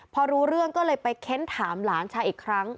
พอรู้เรื่องก็เลยไปเค้นถามหลานชายอีกครั้ง